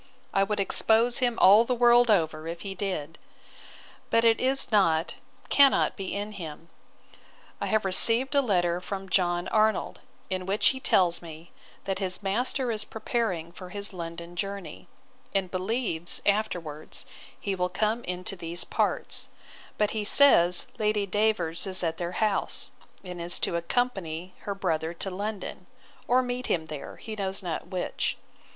I would expose him all the world over if he did. But it is not, cannot be in him. I have received a letter from John Arnold, in which he tells me, that his master is preparing for his London journey; and believes, afterwards, he will come into these parts: But he says, Lady Davers is at their house, and is to accompany her brother to London, or meet him there, he knows not which.